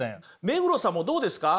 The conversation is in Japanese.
目黒さんもどうですか？